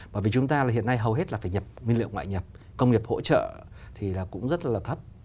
bởi vì chúng ta là hiện nay hầu hết là phải nhập nguyên liệu ngoại nhập công nghiệp hỗ trợ thì cũng rất là thấp